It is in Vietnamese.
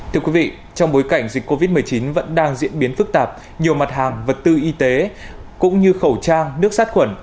thưa quý vị trong bối cảnh dịch covid một mươi chín vẫn đang diễn biến phức tạp nhiều mặt hàng vật tư y tế cũng như khẩu trang nước sát khuẩn